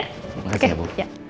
terima kasih bu